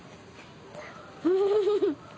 フフフフフ。